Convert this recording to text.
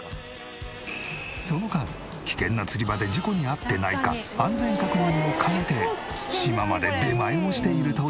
その間危険な釣り場で事故に遭ってないか安全確認も兼ねて島まで出前をしているという。